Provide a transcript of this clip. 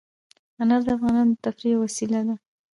انار د افغانانو د تفریح یوه وسیله ده.